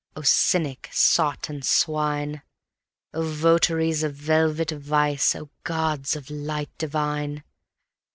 Oh cynic, sot and swine! Oh votaries of velvet vice! ... Oh gods of light divine!